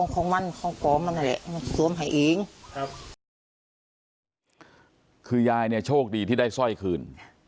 คือยายเนี่ยโชคดีที่ได้สร้อยคืน